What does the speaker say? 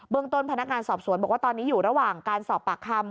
ต้นพนักงานสอบสวนบอกว่าตอนนี้อยู่ระหว่างการสอบปากคำ